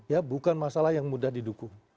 ya bukan masalah yang mudah didukung